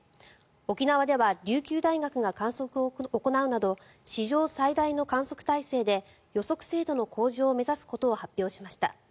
沖縄では琉球大学が観測を行うなど史上最大の観測体制で予測精度の向上を目指すことを発表しました。